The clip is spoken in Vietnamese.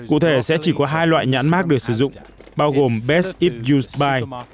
cụ thể sẽ chỉ có hai loại nhãn mát được sử dụng bao gồm best if used by